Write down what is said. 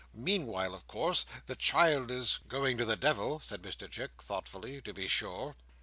Meanwhile, of course, the child is—" "Going to the Devil," said Mr Chick, thoughtfully, "to be sure."